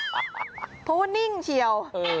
เพราะว่านิ่งเฉียว